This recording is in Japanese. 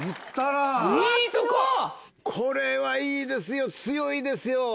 これはいいですよ強いですよ。